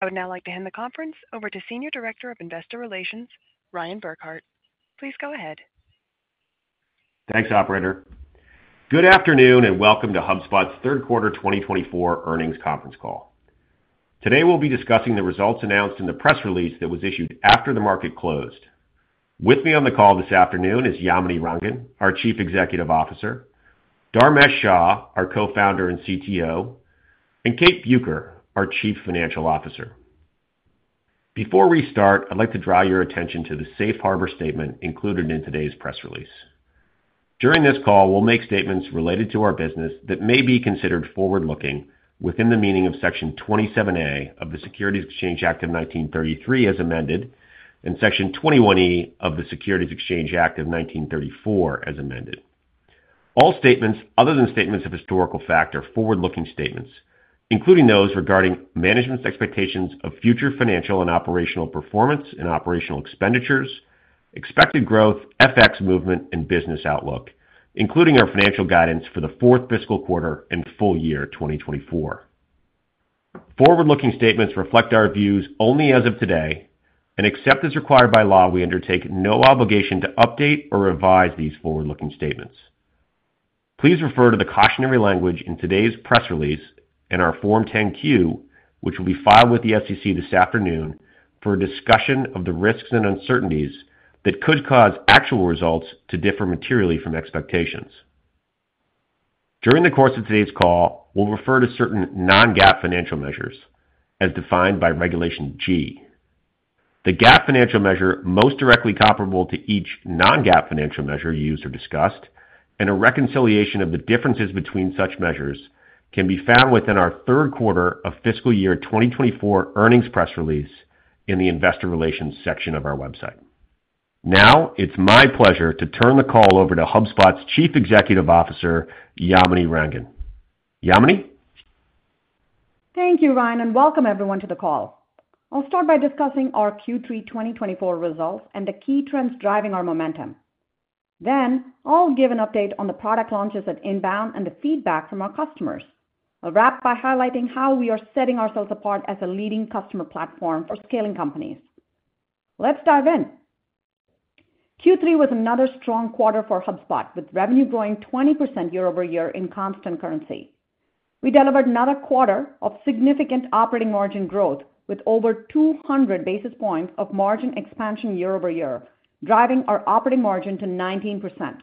I would now like to hand the conference over to Senior Director of Investor Relations, Ryan Burkhart. Please go ahead. Thanks, Operator. Good afternoon and welcome to HubSpot's Third Quarter 2024 Earnings Conference Call. Today we'll be discussing the results announced in the press release that was issued after the market closed. With me on the call this afternoon is Yamini Rangan, our Chief Executive Officer, Dharmesh Shah, our Co-Founder and CTO, and Kate Bueker, our Chief Financial Officer. Before we start, I'd like to draw your attention to the Safe Harbor Statement included in today's press release. During this call, we'll make statements related to our business that may be considered forward-looking within the meaning of Section 27A of the Securities Exchange Act of 1933 as amended, and Section 21E of the Securities Exchange Act of 1934 as amended. All statements other than statements of historical fact are forward-looking statements, including those regarding management's expectations of future financial and operational performance and operational expenditures, expected growth, FX movement, and business outlook, including our financial guidance for the fourth fiscal quarter and full year 2024. Forward-looking statements reflect our views only as of today, and except as required by law, we undertake no obligation to update or revise these forward-looking statements. Please refer to the cautionary language in today's press release and our Form 10-Q, which will be filed with the SEC this afternoon for a discussion of the risks and uncertainties that could cause actual results to differ materially from expectations. During the course of today's call, we'll refer to certain Non-GAAP financial measures as defined by Regulation G. The GAAP financial measure most directly comparable to each non-GAAP financial measure used or discussed, and a reconciliation of the differences between such measures, can be found within our third quarter of fiscal year 2024 Earnings Press Release in the Investor Relations section of our website. Now, it's my pleasure to turn the call over to HubSpot's Chief Executive Officer, Yamini Rangan. Yamini? Thank you, Ryan, and welcome everyone to the call. I'll start by discussing our Q3 2024 results and the key trends driving our momentum. Then, I'll give an update on the product launches at INBOUND and the feedback from our customers. I'll wrap by highlighting how we are setting ourselves apart as a leading customer platform for scaling companies. Let's dive in. Q3 was another strong quarter for HubSpot, with revenue growing 20% year over year in constant currency. We delivered another quarter of significant operating margin growth, with over 200 basis points of margin expansion year over year, driving our operating margin to 19%.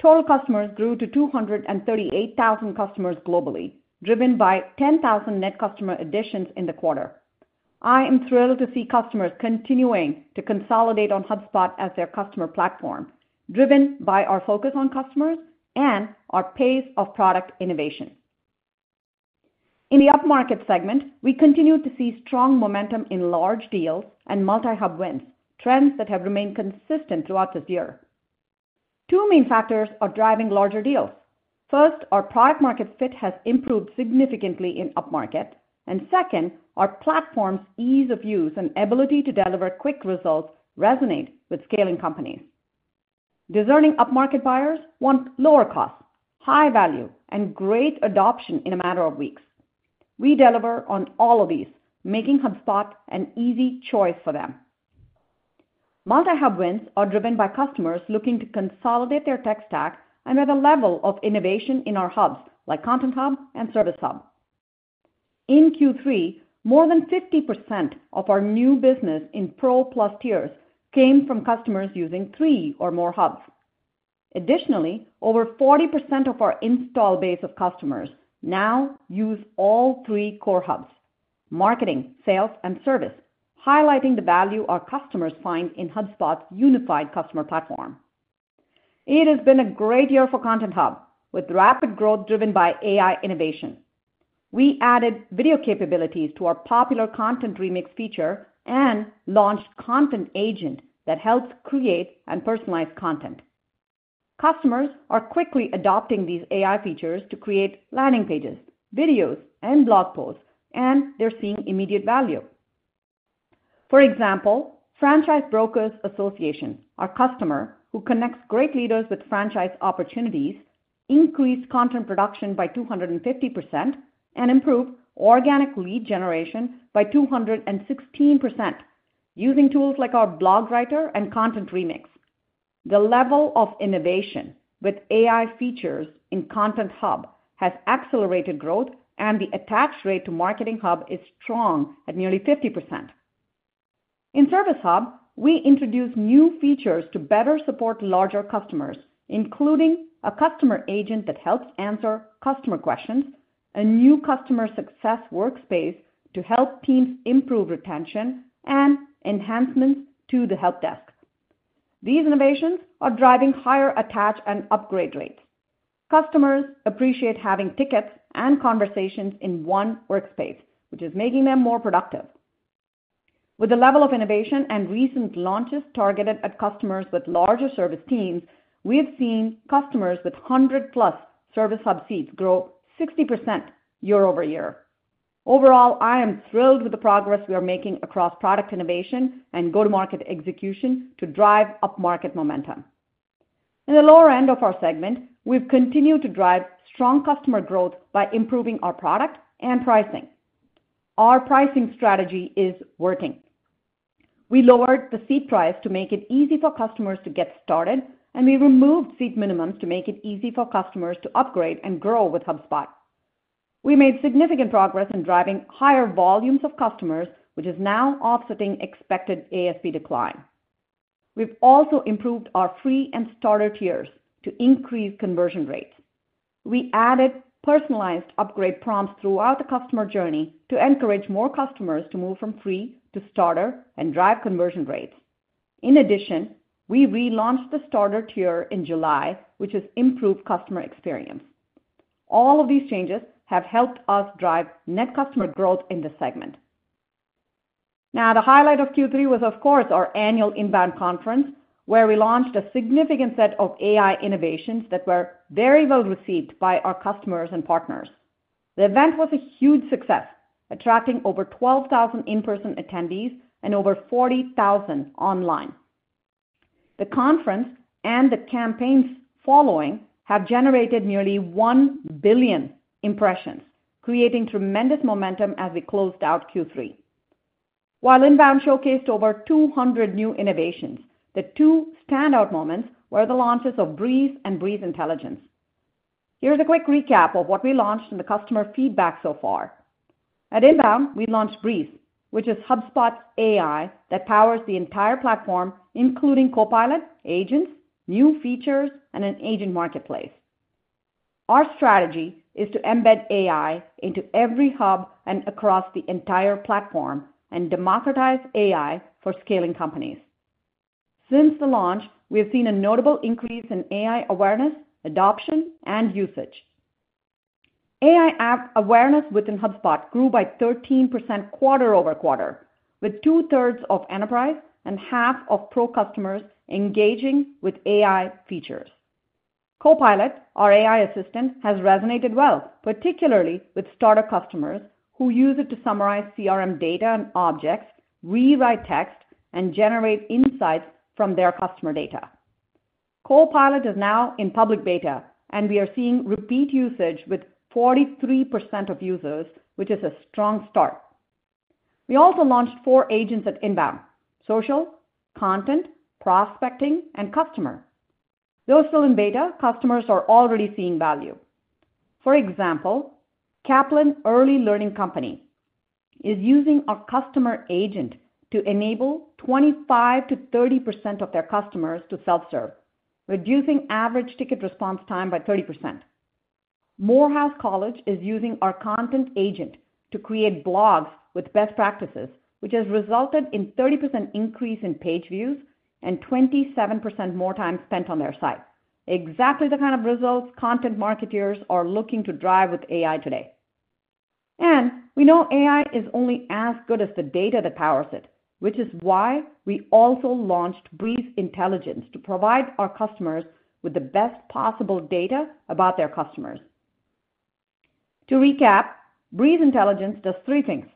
Total customers grew to 238,000 customers globally, driven by 10,000 net customer additions in the quarter. I am thrilled to see customers continuing to consolidate on HubSpot as their customer platform, driven by our focus on customers and our pace of product innovation. In the upmarket segment, we continue to see strong momentum in large deals and multi-hub wins, trends that have remained consistent throughout this year. Two main factors are driving larger deals. First, our product-market fit has improved significantly in upmarket, and second, our platform's ease of use and ability to deliver quick results resonate with scaling companies. Demanding upmarket buyers want lower costs, high value, and great adoption in a matter of weeks. We deliver on all of these, making HubSpot an easy choice for them. Multi-hub wins are driven by customers looking to consolidate their tech stack and have a level of innovation in our hubs like Content Hub and Service Hub. In Q3, more than 50% of our new business in Pro Plus tiers came from customers using three or more hubs. Additionally, over 40% of our install base of customers now use all three core hubs: marketing, sales, and service, highlighting the value our customers find in HubSpot's unified customer platform. It has been a great year for Content Hub, with rapid growth driven by AI innovation. We added video capabilities to our popular Content Remix feature and launched Content Agent that helps create and personalize content. Customers are quickly adopting these AI features to create landing pages, videos, and blog posts, and they're seeing immediate value. For example, Franchise Brokers Association, our customer, who connects great leaders with franchise opportunities, increased content production by 250% and improved organic lead generation by 216% using tools like our Blog Writer and Content Remix. The level of innovation with AI features in Content Hub has accelerated growth, and the attach rate to Marketing Hub is strong at nearly 50%. In Service Hub, we introduced new features to better support larger customers, including a Customer Agent that helps answer customer questions, a new Customer Success Workspace to help teams improve retention, and enhancements to the Help Desk. These innovations are driving higher attach and upgrade rates. Customers appreciate having tickets and conversations in one workspace, which is making them more productive. With the level of innovation and recent launches targeted at customers with larger service teams, we have seen customers with 100-plus Service Hub seats grow 60% year over year. Overall, I am thrilled with the progress we are making across product innovation and go-to-market execution to drive upmarket momentum. In the lower end of our segment, we've continued to drive strong customer growth by improving our product and pricing. Our pricing strategy is working. We lowered the seat price to make it easy for customers to get started, and we removed seat minimums to make it easy for customers to upgrade and grow with HubSpot. We made significant progress in driving higher volumes of customers, which is now offsetting expected ASP decline. We've also improved our free and Starter tiers to increase conversion rates. We added personalized upgrade prompts throughout the customer journey to encourage more customers to move from free to Starter and drive conversion rates. In addition, we relaunched the Starter tier in July, which has improved customer experience. All of these changes have helped us drive net customer growth in this segment. Now, the highlight of Q3 was, of course, our annual INBOUND conference, where we launched a significant set of AI innovations that were very well received by our customers and partners. The event was a huge success, attracting over 12,000 in-person attendees and over 40,000 online. The conference and the campaigns following have generated nearly 1 billion impressions, creating tremendous momentum as we closed out Q3. While INBOUND showcased over 200 new innovations, the two standout moments were the launches of Breeze and Breeze Intelligence. Here's a quick recap of what we launched in the customer feedback so far. At INBOUND, we launched Breeze, which is HubSpot's AI that powers the entire platform, including Copilot, agents, new features, and an agent marketplace. Our strategy is to embed AI into every hub and across the entire platform and democratize AI for scaling companies. Since the launch, we have seen a notable increase in AI awareness, adoption, and usage. AI awareness within HubSpot grew by 13% quarter over quarter, with two-thirds of enterprise and half of pro customers engaging with AI features. Copilot, our AI assistant, has resonated well, particularly with Starter Customers who use it to summarize CRM data and objects, rewrite text, and generate insights from their customer data. Copilot is now in public beta, and we are seeing repeat usage with 43% of users, which is a strong start. We also launched four agents at INBOUND: Social, Content, Prospecting, and Customer. Though still in beta, customers are already seeing value. For example, Kaplan Early Learning Company is using our Customer Agent to enable 25%-30% of their customers to self-serve, reducing average ticket response time by 30%. Morehouse College is using our Content Agent to create blogs with best practices, which has resulted in a 30% increase in page views and 27% more time spent on their site. Exactly the kind of results content marketers are looking to drive with AI today. And we know AI is only as good as the data that powers it, which is why we also launched Breeze Intelligence to provide our customers with the best possible data about their customers. To recap, Breeze Intelligence does three things.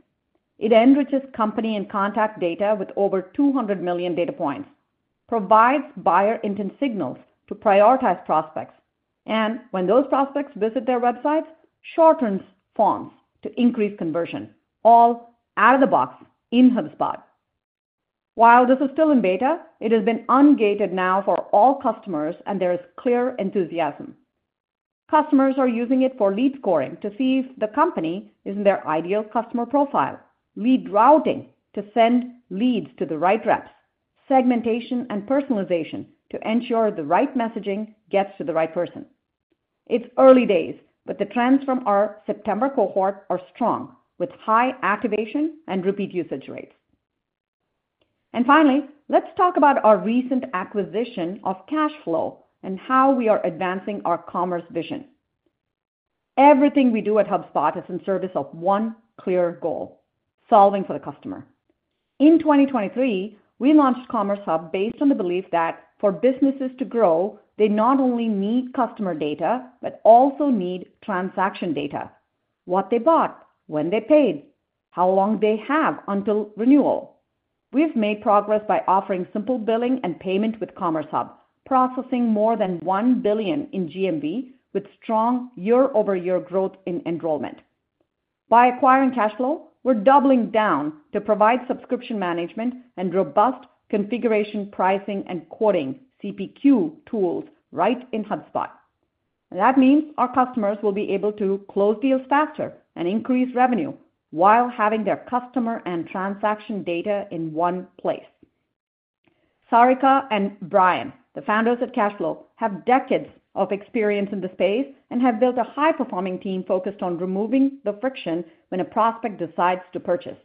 It enriches company and contact data with over 200 million data points, provides buyer intent signals to prioritize prospects, and when those prospects visit their websites, shortens forms to increase conversion, all out of the box in HubSpot. While this is still in beta, it has been ungated now for all customers, and there is clear enthusiasm. Customers are using it for lead scoring to see if the company is in their ideal customer profile, lead routing to send leads to the right reps, segmentation and personalization to ensure the right messaging gets to the right person. It's early days, but the trends from our September cohort are strong, with high activation and repeat usage rates. And finally, let's talk about our recent acquisition of Cacheflow and how we are advancing our commerce vision. Everything we do at HubSpot is in service of one clear goal: solving for the customer. In 2023, we launched Commerce Hub based on the belief that for businesses to grow, they not only need customer data, but also need transaction data: what they bought, when they paid, how long they have until renewal. We have made progress by offering simple billing and payment with Commerce Hub, processing more than $1 billion in GMV with strong year-over-year growth in enrollment. By acquiring Cacheflow, we're doubling down to provide subscription management and robust configuration, pricing, and quoting CPQ tools right in HubSpot. That means our customers will be able to close deals faster and increase revenue while having their customer and transaction data in one place. Sarika and Brian, the founders at Cacheflow, have decades of experience in the space and have built a high-performing team focused on removing the friction when a prospect decides to purchase.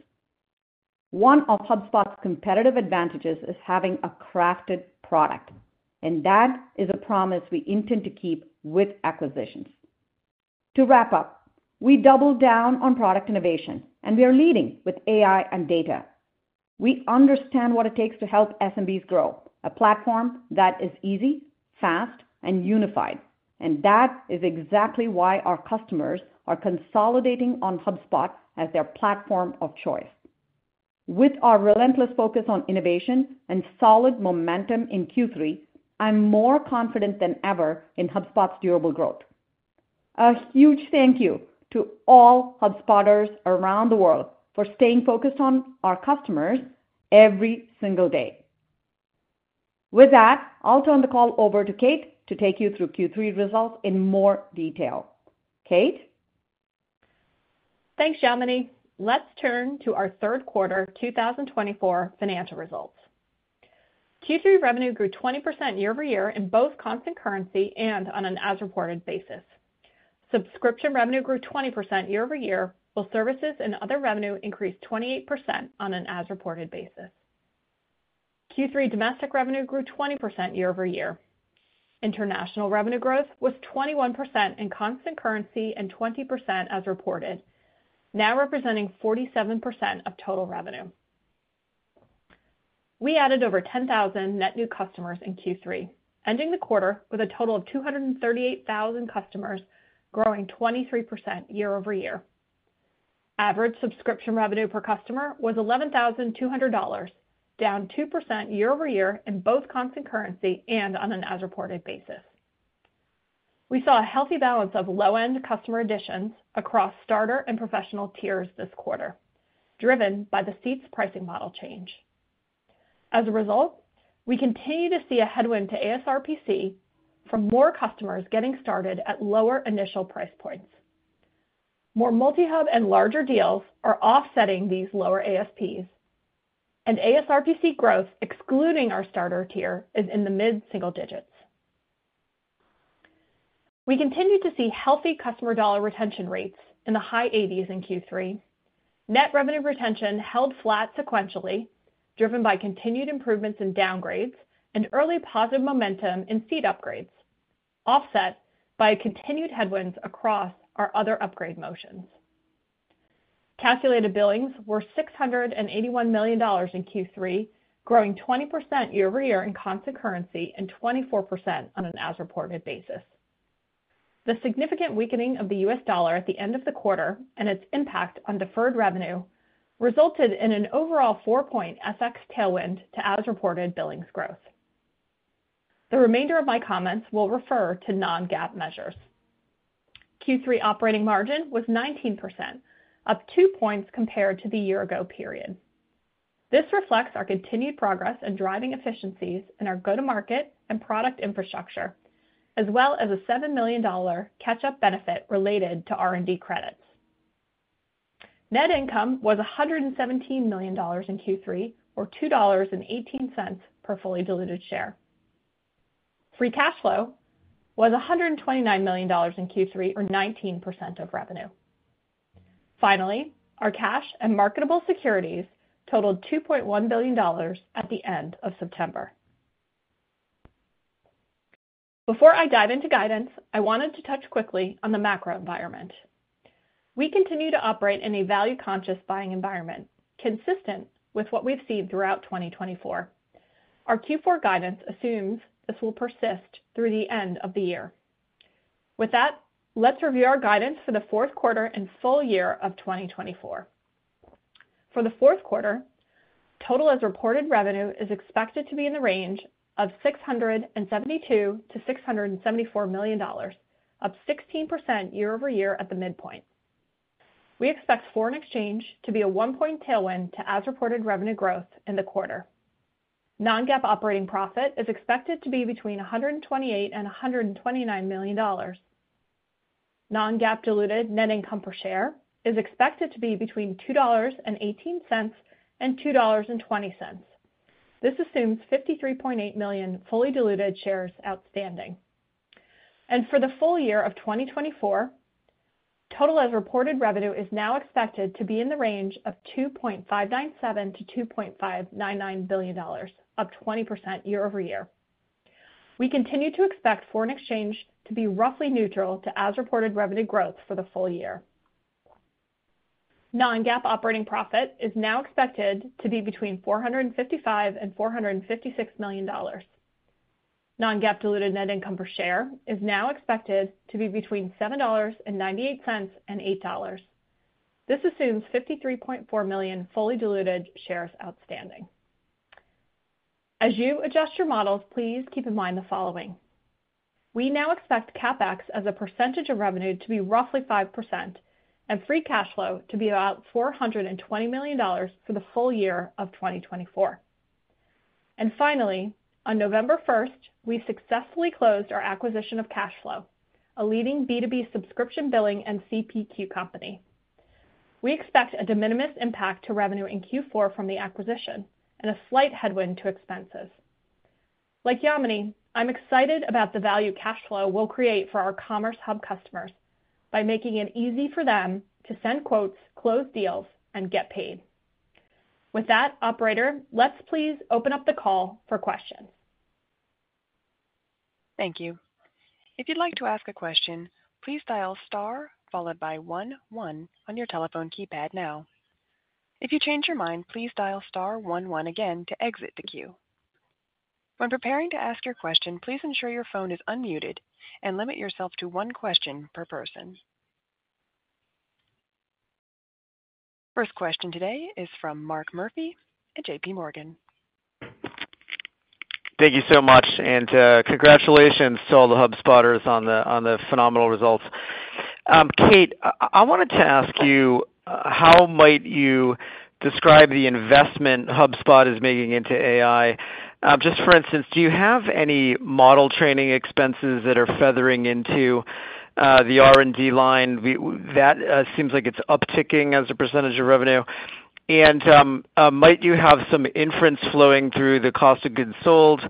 One of HubSpot's competitive advantages is having a crafted product, and that is a promise we intend to keep with acquisitions. To wrap up, we doubled down on product innovation, and we are leading with AI and data. We understand what it takes to help SMBs grow, a platform that is easy, fast, and unified, and that is exactly why our customers are consolidating on HubSpot as their platform of choice. With our relentless focus on innovation and solid momentum in Q3, I'm more confident than ever in HubSpot's durable growth. A huge thank you to all HubSpotters around the world for staying focused on our customers every single day. With that, I'll turn the call over to Kate to take you through Q3 results in more detail. Kate. Thanks, Yamini. Let's turn to our third quarter 2024 financial results. Q3 revenue grew 20% year over year in both constant currency and on an as-reported basis. Subscription revenue grew 20% year over year, while services and other revenue increased 28% on an as-reported basis. Q3 domestic revenue grew 20% year over year. International revenue growth was 21% in constant currency and 20% as reported, now representing 47% of total revenue. We added over 10,000 net new customers in Q3, ending the quarter with a total of 238,000 customers, growing 23% year over year. Average subscription revenue per customer was $11,200, down 2% year over year in both constant currency and on an as-reported basis. We saw a healthy balance of low-end customer additions across starter and Professional tiers this quarter, driven by the seats pricing model change. As a result, we continue to see a headwind to ASRPC from more customers getting started at lower initial price points. More multi-hub and larger deals are offsetting these lower ASPs, and ASRPC growth, excluding our starter Tier, is in the mid-single digits. We continue to see healthy customer dollar retention rates in the high 80s in Q3. Net revenue retention held flat sequentially, driven by continued improvements in downgrades and early positive momentum in seat upgrades, offset by continued headwinds across our other upgrade motions. Calculated billings were $681 million in Q3, growing 20% year over year in constant currency and 24% on an as-reported basis. The significant weakening of the U.S. dollar at the end of the quarter and its impact on deferred revenue resulted in an overall 4-point FX tailwind to as-reported billings growth. The remainder of my comments will refer to non-GAAP measures. Q3 operating margin was 19%, up two points compared to the year-ago period. This reflects our continued progress in driving efficiencies in our go-to-market and product infrastructure, as well as a $7 million catch-up benefit related to R&D credits. Net income was $117 million in Q3, or $2.18 per fully diluted share. Free cash flow was $129 million in Q3, or 19% of revenue. Finally, our cash and marketable securities totaled $2.1 billion at the end of September. Before I dive into guidance, I wanted to touch quickly on the macro environment. We continue to operate in a value-conscious buying environment, consistent with what we've seen throughout 2024. Our Q4 guidance assumes this will persist through the end of the year. With that, let's review our guidance for the fourth quarter and full year of 2024. For the fourth quarter, total as-reported revenue is expected to be in the range of $672-$674 million, up 16% year over year at the midpoint. We expect foreign exchange to be a 1-point tailwind to as-reported revenue growth in the quarter. Non-GAAP operating profit is expected to be between $128 and $129 million. Non-GAAP diluted net income per share is expected to be between $2.18 and $2.20. This assumes 53.8 million fully diluted shares outstanding. And for the full year of 2024, total as-reported revenue is now expected to be in the range of $2.597-$2.599 billion, up 20% year over year. We continue to expect foreign exchange to be roughly neutral to as-reported revenue growth for the full year. Non-GAAP operating profit is now expected to be between $455 and $456 million. Non-GAAP diluted net income per share is now expected to be between $7.98 and $8. This assumes 53.4 million fully diluted shares outstanding. As you adjust your models, please keep in mind the following. We now expect CAPEX as a percentage of revenue to be roughly 5%, and free cash flow to be about $420 million for the full year of 2024. And finally, on November 1st, we successfully closed our acquisition of Cacheflow, a leading B2B subscription billing and CPQ company. We expect a de minimis impact to revenue in Q4 from the acquisition and a slight headwind to expenses. Like Yamini, I'm excited about the value Cacheflow will create for our Commerce Hub customers by making it easy for them to send quotes, close deals, and get paid. With that, operator, let's please open up the call for questions. Thank you. If you'd like to ask a question, please dial star followed by 11 on your telephone keypad now. If you change your mind, please dial star 11 again to exit the queue. When preparing to ask your question, please ensure your phone is unmuted and limit yourself to one question per person. First question today is from Mark Murphy and JPMorgan. Thank you so much, and congratulations to all the HubSpotters on the phenomenal results. Kate, I wanted to ask you, how might you describe the investment HubSpot is making into AI? Just for instance, do you have any model training expenses that are feathering into the R&D line? That seems like it's upticking as a percentage of revenue. And might you have some inference flowing through the cost of goods sold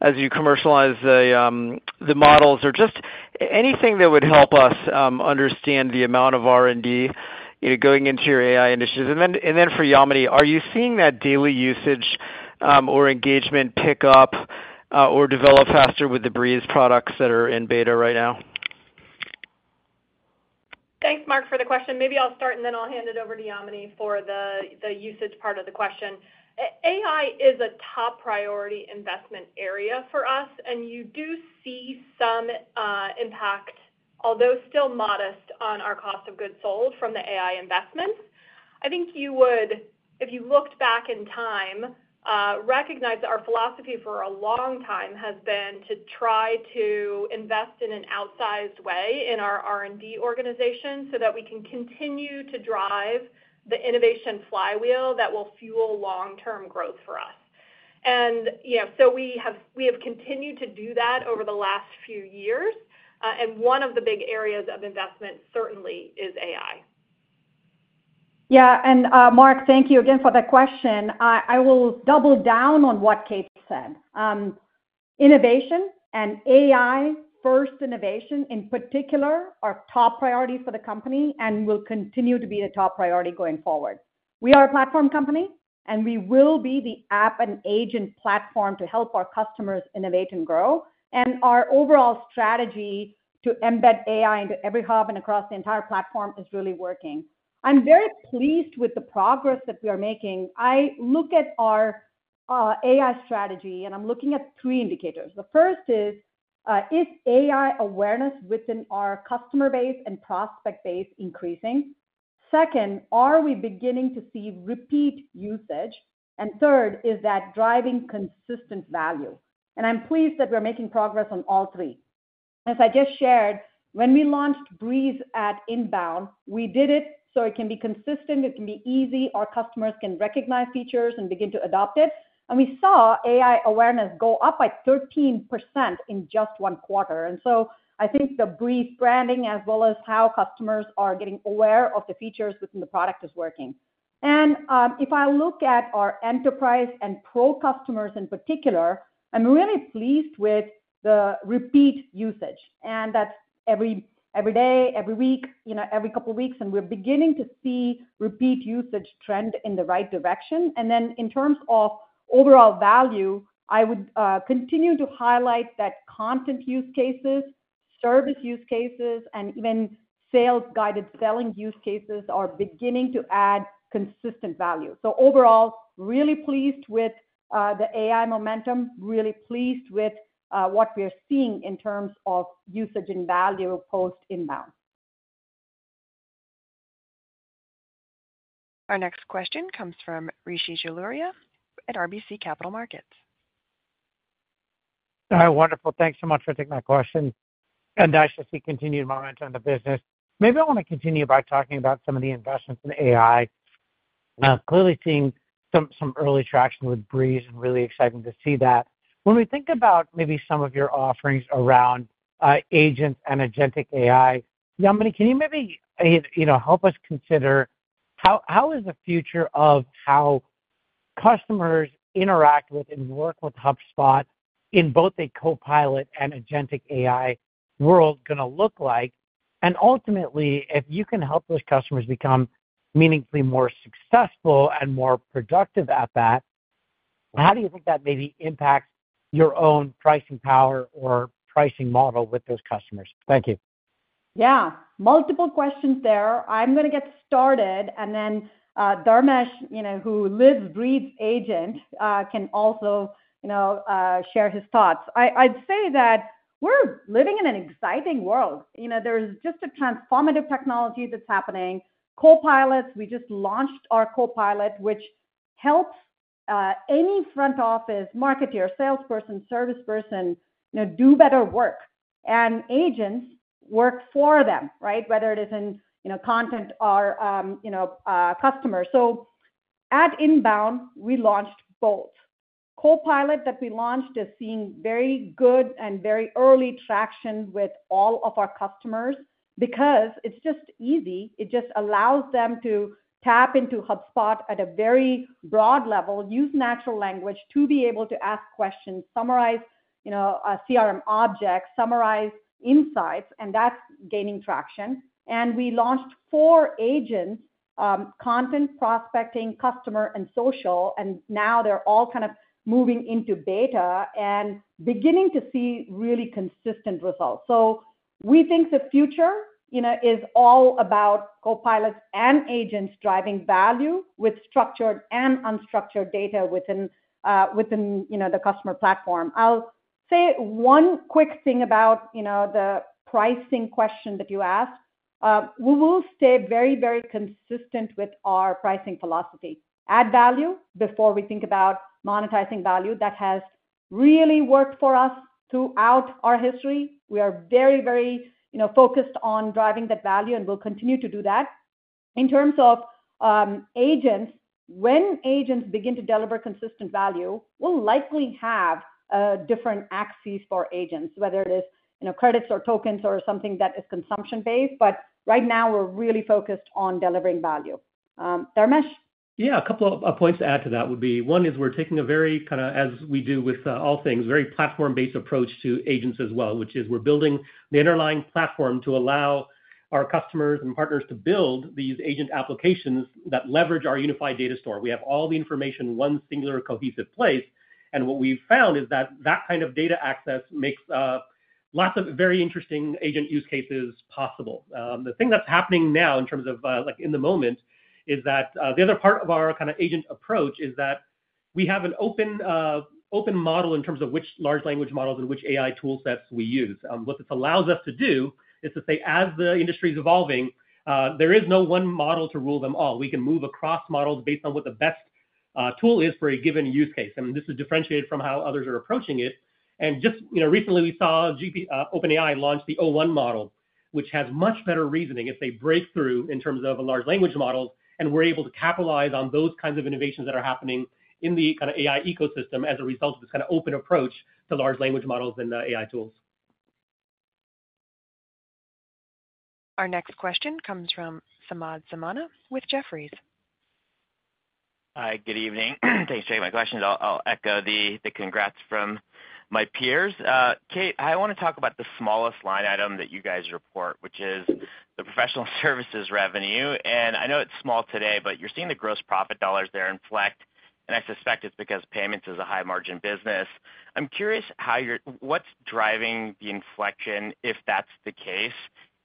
as you commercialize the models or just anything that would help us understand the amount of R&D going into your AI initiatives? And then for Yamini, are you seeing that daily usage or engagement pick up or develop faster with the Breeze products that are in beta right now? Thanks, Mark, for the question. Maybe I'll start, and then I'll hand it over to Yamini for the usage part of the question. AI is a top priority investment area for us, and you do see some impact, although still modest, on our cost of goods sold from the AI investments. I think you would, if you looked back in time, recognize that our philosophy for a long time has been to try to invest in an outsized way in our R&D organization so that we can continue to drive the innovation flywheel that will fuel long-term growth for us, and so we have continued to do that over the last few years, and one of the big areas of investment certainly is AI. Yeah, and Mark, thank you again for the question. I will double down on what Kate said. Innovation and AI-first innovation in particular are top priorities for the company and will continue to be the top priority going forward. We are a platform company, and we will be the app and agent platform to help our customers innovate and grow. And our overall strategy to embed AI into every hub and across the entire platform is really working. I'm very pleased with the progress that we are making. I look at our AI strategy, and I'm looking at three indicators. The first is, is AI awareness within our customer base and prospect base increasing? Second, are we beginning to see repeat usage? And third is that driving consistent value. And I'm pleased that we're making progress on all three. As I just shared, when we launched Breeze at INBOUND, we did it so it can be consistent, it can be easy, our customers can recognize features and begin to adopt it. And we saw AI awareness go up by 13% in just one quarter. And so I think the Breeze branding, as well as how customers are getting aware of the features within the product, is working. And if I look at our Enterprise and Pro customers in particular, I'm really pleased with the repeat usage. And that's every day, every week, every couple of weeks, and we're beginning to see repeat usage trend in the right direction. And then in terms of overall value, I would continue to highlight that content use cases, service use cases, and even sales-guided selling use cases are beginning to add consistent value. So overall, really pleased with the AI momentum, really pleased with what we are seeing in terms of usage and value post-inbound. Our next question comes from Rishi Jaluria at RBC Capital Markets. Wonderful. Thanks so much for taking my question and nice to see continued momentum in the business. Maybe I want to continue by talking about some of the investments in AI. Clearly seeing some early traction with Breeze and really exciting to see that. When we think about maybe some of your offerings around agents and agentic AI, Yamini, can you maybe help us consider how is the future of how customers interact with and work with HubSpot in both a Copilot and agentic AI world going to look like, and ultimately, if you can help those customers become meaningfully more successful and more productive at that, how do you think that maybe impacts your own pricing power or pricing model with those customers? Thank you. Yeah, multiple questions there. I'm going to get started, and then Dharmesh, who lives, breathes agent, can also share his thoughts. I'd say that we're living in an exciting world. There's just a transformative technology that's happening. Copilots, we just launched our Copilot, which helps any front office marketer, salesperson, service person do better work. And agents work for them, right, whether it is in content or customers. So at inbound, we launched both. Copilot that we launched is seeing very good and very early traction with all of our customers because it's just easy. It just allows them to tap into HubSpot at a very broad level, use natural language to be able to ask questions, summarize CRM objects, summarize insights, and that's gaining traction. We launched four agents, content, prospecting, customer, and social. Now they're all kind of moving into beta and beginning to see really consistent results. We think the future is all about Copilots and agents driving value with structured and unstructured data within the customer platform. I'll say one quick thing about the pricing question that you asked. We will stay very, very consistent with our pricing philosophy. Add value before we think about monetizing value. That has really worked for us throughout our history. We are very, very focused on driving that value, and we'll continue to do that. In terms of agents, when agents begin to deliver consistent value, we'll likely have different axes for agents, whether it is credits or tokens or something that is consumption-based. Right now, we're really focused on delivering value. Dharmesh? Yeah, a couple of points to add to that would be, one is we're taking a very kind of, as we do with all things, very platform-based approach to agents as well, which is we're building the underlying platform to allow our customers and partners to build these agent applications that leverage our unified data store. We have all the information in one singular cohesive place. And what we've found is that that kind of data access makes lots of very interesting agent use cases possible. The thing that's happening now in terms of in the moment is that the other part of our kind of agent approach is that we have an open model in terms of which large language models and which AI toolsets we use. What this allows us to do is to say, as the industry is evolving, there is no one model to rule them all. We can move across models based on what the best tool is for a given use case. And this is differentiated from how others are approaching it. And just recently, we saw OpenAI launch the o1 model, which has much better reasoning if they break through in terms of large language models. And we're able to capitalize on those kinds of innovations that are happening in the kind of AI ecosystem as a result of this kind of open approach to large language models and AI tools. Our next question comes from Samad Samana with Jefferies. Hi, good evening. Thanks for taking my question. I'll echo the congrats from my peers. Kate, I want to talk about the smallest line item that you guys report, which is the professional services revenue. And I know it's small today, but you're seeing the gross profit dollars there inflect. And I suspect it's because payments is a high-margin business. I'm curious what's driving the inflection, if that's the case,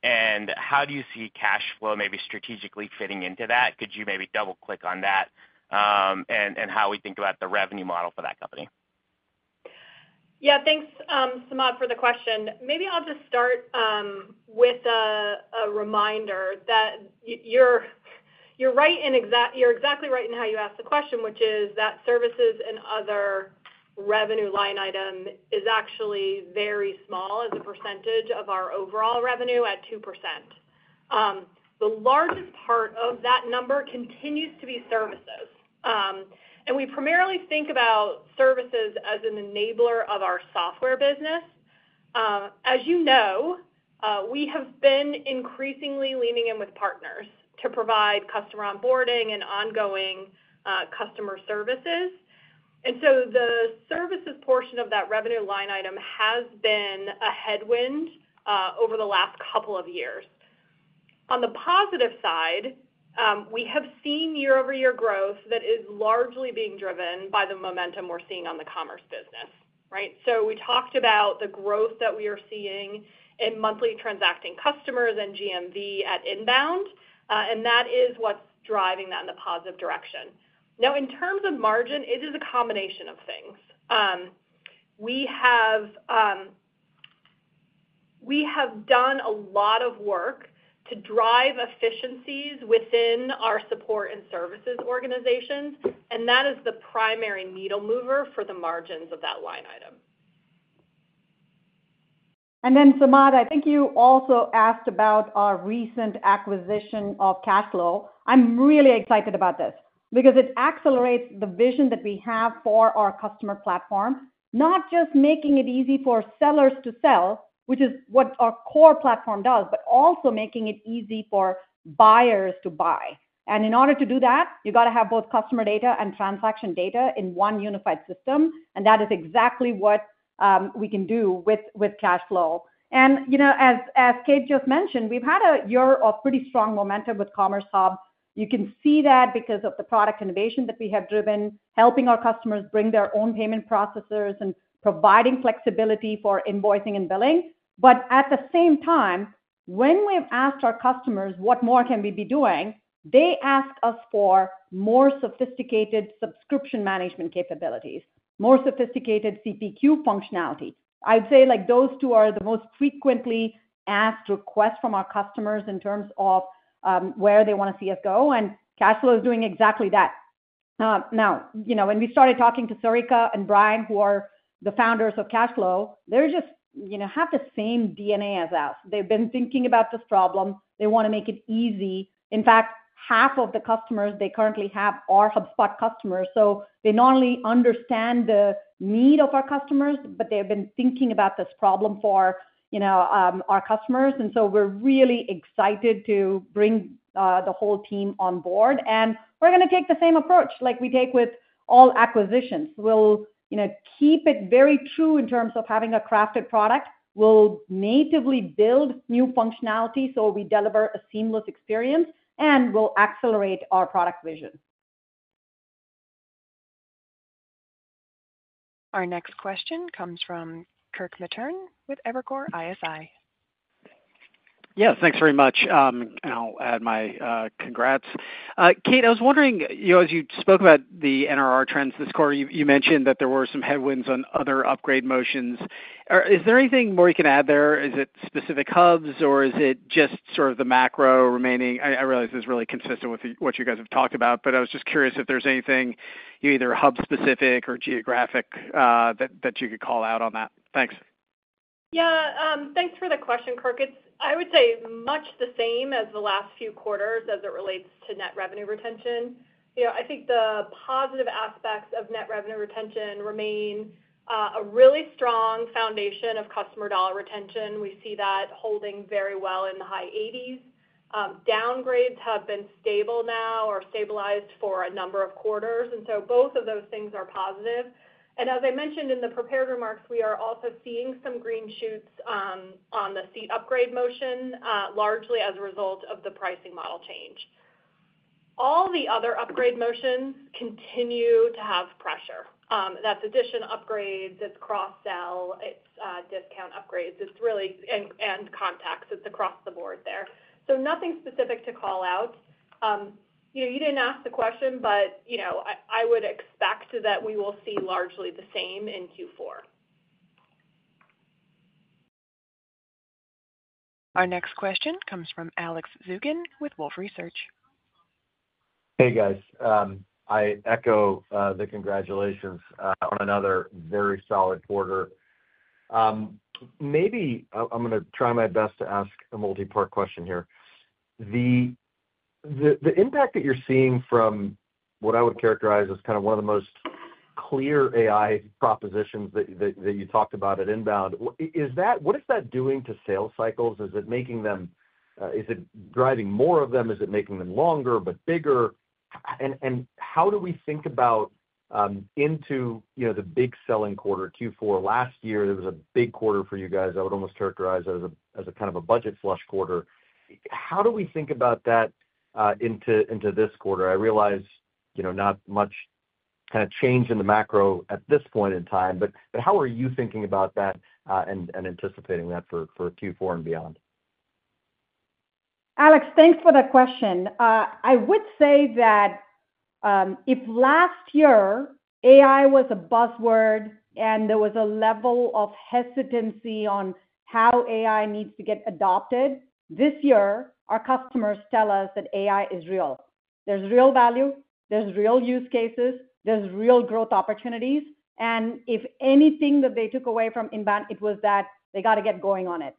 and how do you see cash flow maybe strategically fitting into that? Could you maybe double-click on that and how we think about the revenue model for that company? Yeah, thanks, Samad, for the question. Maybe I'll just start with a reminder that you're right, exactly right, in how you asked the question, which is that services and other revenue line item is actually very small as a percentage of our overall revenue at 2%. The largest part of that number continues to be services. And we primarily think about services as an enabler of our software business. As you know, we have been increasingly leaning in with partners to provide customer onboarding and ongoing customer services. And so the services portion of that revenue line item has been a headwind over the last couple of years. On the positive side, we have seen year-over-year growth that is largely being driven by the momentum we're seeing on the commerce business, right? So we talked about the growth that we are seeing in monthly transacting customers and GMV at INBOUND, and that is what's driving that in the positive direction. Now, in terms of margin, it is a combination of things. We have done a lot of work to drive efficiencies within our support and services organizations, and that is the primary needle mover for the margins of that line item. And then, Samad, I think you also asked about our recent acquisition of Cacheflow. I'm really excited about this because it accelerates the vision that we have for our customer platform, not just making it easy for sellers to sell, which is what our core platform does, but also making it easy for buyers to buy. And in order to do that, you've got to have both customer data and transaction data in one unified system, and that is exactly what we can do with Cacheflow. And as Kate just mentioned, we've had a year of pretty strong momentum with Commerce Hub. You can see that because of the product innovation that we have driven, helping our customers bring their own payment processors and providing flexibility for invoicing and billing. But at the same time, when we've asked our customers what more can we be doing, they ask us for more sophisticated subscription management capabilities, more sophisticated CPQ functionality. I'd say those two are the most frequently asked requests from our customers in terms of where they want to see us go, and Cacheflow is doing exactly that. Now, when we started talking to Sarika and Brian, who are the founders of Cacheflow, they just have the same DNA as us. They've been thinking about this problem. They want to make it easy. In fact, half of the customers they currently have are HubSpot customers. So they not only understand the need of our customers, but they've been thinking about this problem for our customers. And so we're really excited to bring the whole team on board. And we're going to take the same approach like we take with all acquisitions. We'll keep it very true in terms of having a crafted product. We'll natively build new functionality so we deliver a seamless experience, and we'll accelerate our product vision. Our next question comes from Kirk Materne with Evercore ISI. Yes, thanks very much. And I'll add my congrats. Kate, I was wondering, as you spoke about the NRR trends this quarter, you mentioned that there were some headwinds on other upgrade motions. Is there anything more you can add there? Is it specific hubs, or is it just sort of the macro remaining? I realize it's really consistent with what you guys have talked about, but I was just curious if there's anything either hub-specific or geographic that you could call out on that. Thanks. Yeah, thanks for the question, Kirk. I would say much the same as the last few quarters as it relates to net revenue retention. I think the positive aspects of net revenue retention remain a really strong foundation of customer dollar retention. We see that holding very well in the high 80s. Downgrades have been stable now or stabilized for a number of quarters. And so both of those things are positive. And as I mentioned in the prepared remarks, we are also seeing some green shoots on the seat upgrade motion, largely as a result of the pricing model change. All the other upgrade motions continue to have pressure. That's addition upgrades, it's cross-sell, it's discount upgrades, and contacts. It's across the board there. So nothing specific to call out. You didn't ask the question, but I would expect that we will see largely the same in Q4. Our next question comes from Alex Zukin with Wolfe Research. Hey, guys. I echo the congratulations on another very solid quarter. Maybe I'm going to try my best to ask a multi-part question here. The impact that you're seeing from what I would characterize as kind of one of the most clear AI propositions that you talked about at INBOUND, what is that doing to sales cycles? Is it driving more of them? Is it making them longer but bigger? And how do we think about into the big selling quarter, Q4 last year? It was a big quarter for you guys. I would almost characterize it as a kind of a budget flush quarter. How do we think about that into this quarter? I realize not much kind of change in the macro at this point in time, but how are you thinking about that and anticipating that for Q4 and beyond? Alex, thanks for the question. I would say that if last year AI was a buzzword and there was a level of hesitancy on how AI needs to get adopted, this year, our customers tell us that AI is real. There's real value, there's real use cases, there's real growth opportunities. If anything that they took away from INBOUND, it was that they got to get going on it.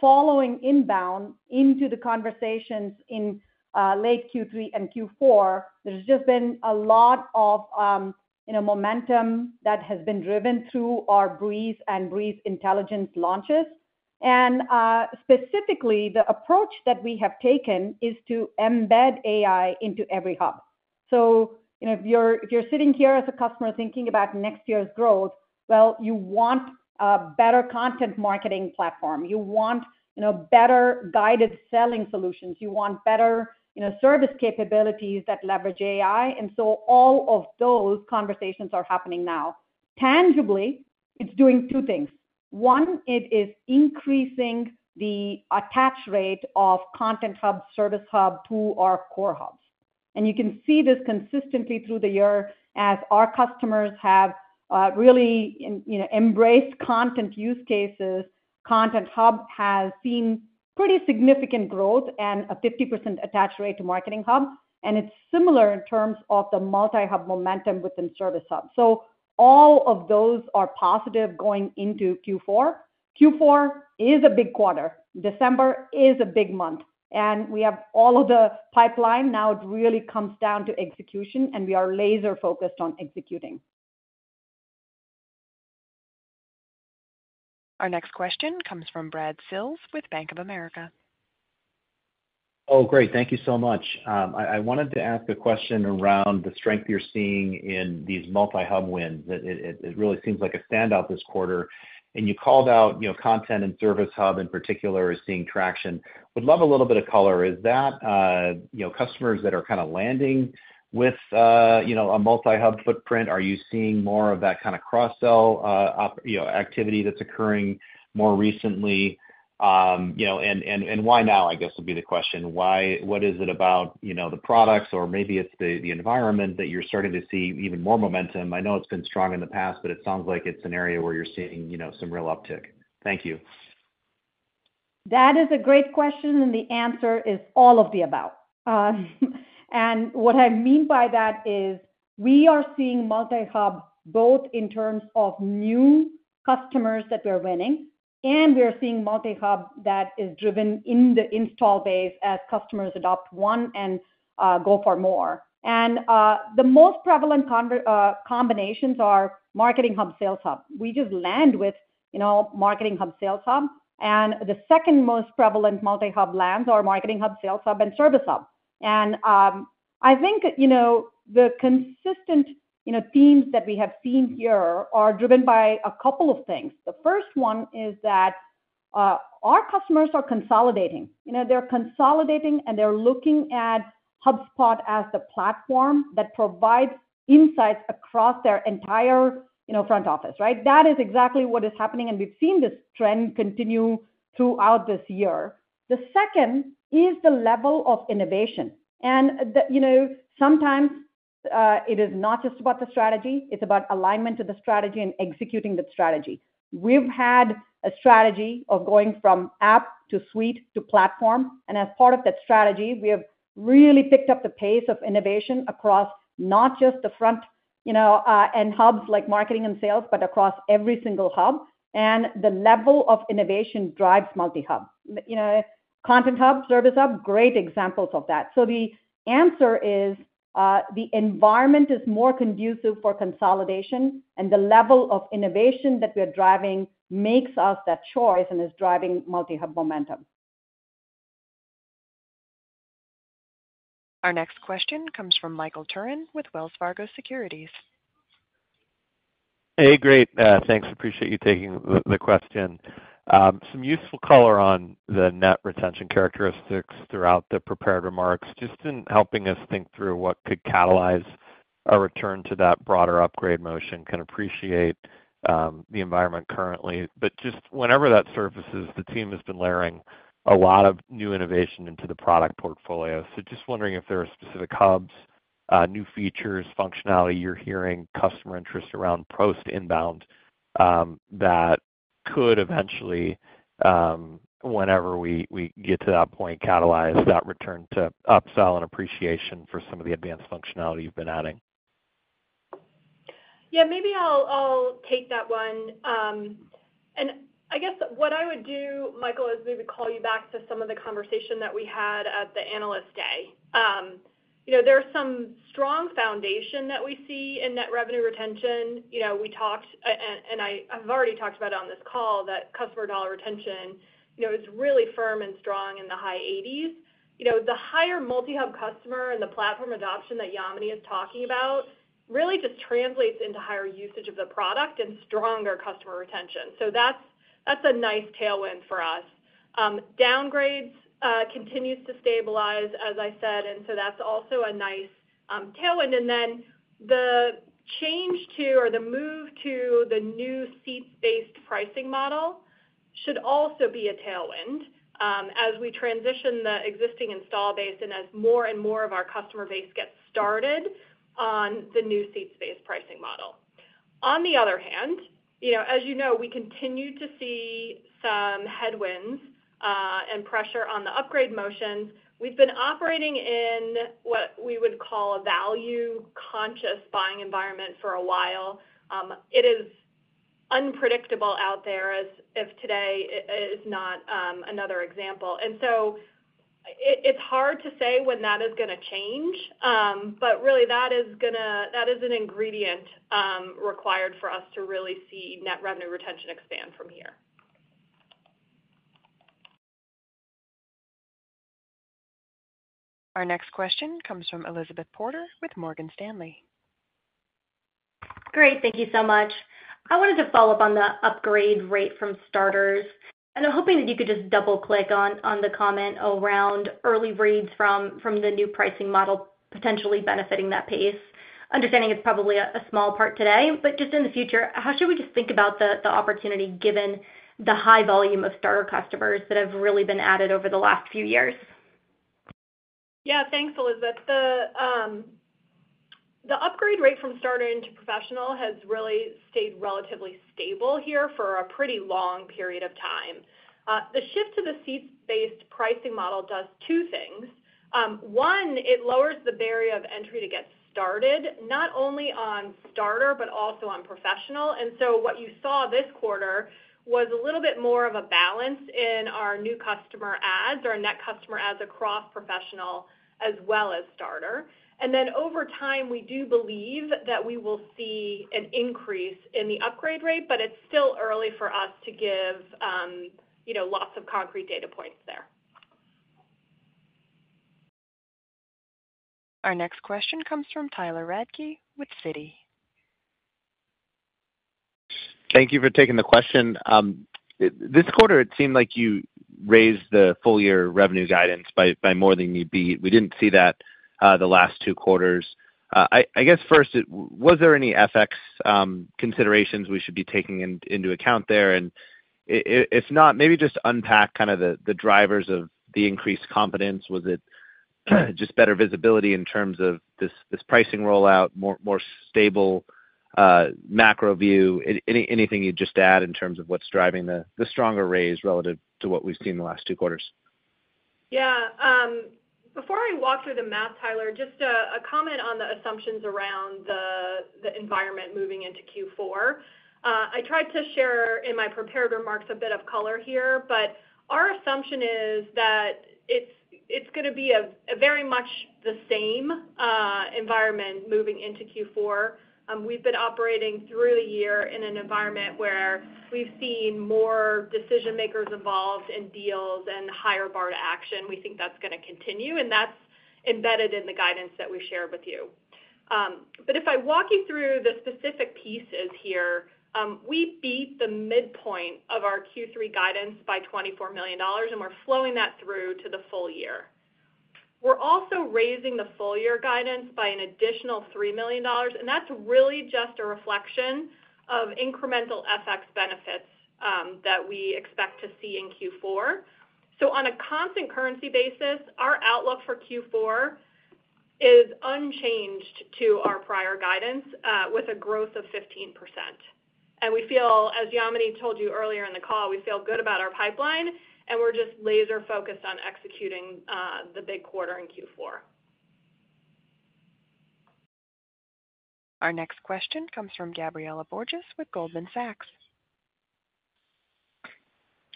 Following INBOUND into the conversations in late Q3 and Q4, there's just been a lot of momentum that has been driven through our Breeze and Breeze Intelligence launches. Specifically, the approach that we have taken is to embed AI into every Hub. If you're sitting here as a customer thinking about next year's growth, well, you want a better content marketing platform. You want better guided selling solutions. You want better service capabilities that leverage AI. And so all of those conversations are happening now. Tangibly, it's doing two things. One, it is increasing the attach rate of Content Hub, Service Hub to our core hubs. And you can see this consistently through the year as our customers have really embraced content use cases. Content Hub has seen pretty significant growth and a 50% attach rate to Marketing Hub. And it's similar in terms of the multi-hub momentum within Service Hub. So all of those are positive going into Q4. Q4 is a big quarter. December is a big month. And we have all of the pipeline. Now it really comes down to execution, and we are laser-focused on executing. Our next question comes from Brad Sills with Bank of America. Oh, great. Thank you so much. I wanted to ask a question around the strength you're seeing in these multi-hub wins. It really seems like a standout this quarter, and you called out Content Hub and Service Hub in particular as seeing traction. Would love a little bit of color. Is that customers that are kind of landing with a multi-hub footprint? Are you seeing more of that kind of cross-sell activity that's occurring more recently, and why now, I guess, would be the question. What is it about the products, or maybe it's the environment that you're starting to see even more momentum? I know it's been strong in the past, but it sounds like it's an area where you're seeing some real uptick. Thank you. That is a great question, and the answer is all of the above. And what I mean by that is we are seeing multi-hub both in terms of new customers that we're winning, and we are seeing multi-hub that is driven in the installed base as customers adopt one and go for more. And the most prevalent combinations are Marketing Hub, Sales Hub. We just land with Marketing Hub, Sales Hub. And the second most prevalent multi-hub lands are Marketing Hub, Sales Hub, and Service Hub. And I think the consistent themes that we have seen here are driven by a couple of things. The first one is that our customers are consolidating. They're consolidating, and they're looking at HubSpot as the platform that provides insights across their entire front office, right? That is exactly what is happening, and we've seen this trend continue throughout this year. The second is the level of innovation. And sometimes it is not just about the strategy. It's about alignment to the strategy and executing the strategy. We've had a strategy of going from app to suite to platform. And as part of that strategy, we have really picked up the pace of innovation across not just the front-end hubs like Marketing and Sales, but across every single hub. And the level of innovation drives multi-hub. Content Hub, Service Hub, great examples of that. So the answer is the environment is more conducive for consolidation, and the level of innovation that we are driving makes us that choice and is driving multi-hub momentum. Our next question comes from Michael Turrin with Wells Fargo Securities. Hey, great. Thanks. Appreciate you taking the question. Some useful color on the net retention characteristics throughout the prepared remarks, just in helping us think through what could catalyze our return to that broader upgrade motion. Can appreciate the environment currently. But just whenever that surfaces, the team has been layering a lot of new innovation into the product portfolio. So just wondering if there are specific hubs, new features, functionality you're hearing customer interest around post-INBOUND that could eventually, whenever we get to that point, catalyze that return to upsell and appreciation for some of the advanced functionality you've been adding. Yeah, maybe I'll take that one, and I guess what I would do, Michael, is maybe call you back to some of the conversation that we had at the Analyst Day. There are some strong foundations that we see in net revenue retention. We talked, and I've already talked about it on this call, that customer dollar retention is really firm and strong in the high 80s%. The higher multi-hub customer and the platform adoption that Yamini is talking about really just translates into higher usage of the product and stronger customer retention. So that's a nice tailwind for us. Downgrades continue to stabilize, as I said, and so that's also a nice tailwind. And then the change to or the move to the new seat-based pricing model should also be a tailwind as we transition the existing install base and as more and more of our customer base gets started on the new seat-based pricing model. On the other hand, as you know, we continue to see some headwinds and pressure on the upgrade motions. We've been operating in what we would call a value-conscious buying environment for a while. It is unpredictable out there as of today. It is not another example. And so it's hard to say when that is going to change, but really that is an ingredient required for us to really see net revenue retention expand from here. Our next question comes from Elizabeth Porter with Morgan Stanley. Great. Thank you so much. I wanted to follow up on the upgrade rate from starters, and I'm hoping that you could just double-click on the comment around early reads from the new pricing model potentially benefiting that pace. Understanding it's probably a small part today, but just in the future, how should we just think about the opportunity given the high volume of starter customers that have really been added over the last few years? Yeah, thanks, Elizabeth. The upgrade rate from starter into professional has really stayed relatively stable here for a pretty long period of time. The shift to the seat-based pricing model does two things. One, it lowers the barrier of entry to get started, not only on starter, but also on professional, and so what you saw this quarter was a little bit more of a balance in our new customer adds, our net customer adds across professional as well as starter. And then over time, we do believe that we will see an increase in the upgrade rate, but it's still early for us to give lots of concrete data points there. Our next question comes from Tyler Radke with Citi. Thank you for taking the question. This quarter, it seemed like you raised the full-year revenue guidance by more than you beat. We didn't see that the last two quarters. I guess first, was there any FX considerations we should be taking into account there? And if not, maybe just unpack kind of the drivers of the increased confidence. Was it just better visibility in terms of this pricing rollout, more stable macro view? Anything you'd just add in terms of what's driving the stronger raise relative to what we've seen the last two quarters? Yeah. Before I walk through the math, Tyler, just a comment on the assumptions around the environment moving into Q4. I tried to share in my prepared remarks a bit of color here, but our assumption is that it's going to be very much the same environment moving into Q4. We've been operating through the year in an environment where we've seen more decision-makers involved in deals and higher bar to action. We think that's going to continue, and that's embedded in the guidance that we shared with you. But if I walk you through the specific pieces here, we beat the midpoint of our Q3 guidance by $24 million, and we're flowing that through to the full year. We're also raising the full-year guidance by an additional $3 million, and that's really just a reflection of incremental FX benefits that we expect to see in Q4. On a constant currency basis, our outlook for Q4 is unchanged from our prior guidance with a growth of 15%. As Yamini told you earlier in the call, we feel good about our pipeline, and we're just laser-focused on executing the big quarter in Q4. Our next question comes from Gabriela Borges with Goldman Sachs.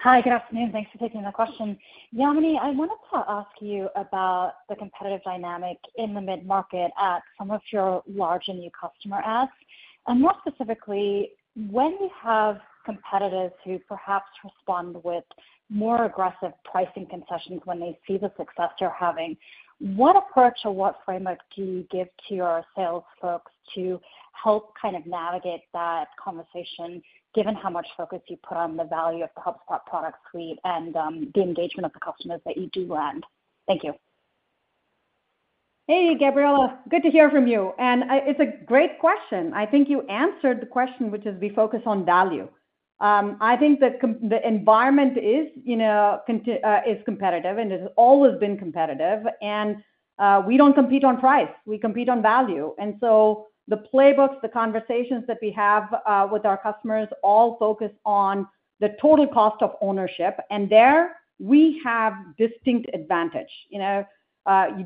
Hi, good afternoon. Thanks for taking the question. Yamini, I wanted to ask you about the competitive dynamic in the mid-market at some of your large and new customer adds, and more specifically, when you have competitors who perhaps respond with more aggressive pricing concessions when they see the success you're having, what approach or what framework do you give to your sales folks to help kind of navigate that conversation, given how much focus you put on the value of the HubSpot product suite and the engagement of the customers that you do land? Thank you. Hey, Gabriela. Good to hear from you. And it's a great question. I think you answered the question, which is we focus on value. I think the environment is competitive, and it has always been competitive. And we don't compete on price. We compete on value. And so the playbooks, the conversations that we have with our customers all focus on the total cost of ownership. And there, we have distinct advantage. You